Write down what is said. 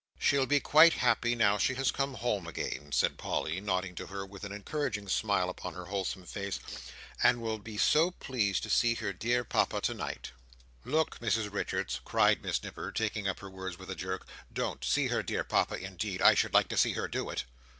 "She'll be quite happy, now she has come home again," said Polly, nodding to her with an encouraging smile upon her wholesome face, "and will be so pleased to see her dear Papa tonight." "Lork, Mrs Richards!" cried Miss Nipper, taking up her words with a jerk. "Don't. See her dear Papa indeed! I should like to see her do it!"